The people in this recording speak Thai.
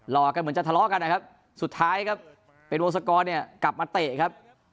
กันเหมือนจะทะเลาะกันนะครับสุดท้ายครับเป็นวงศกรเนี่ยกลับมาเตะครับ